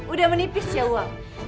udah menipis ya uang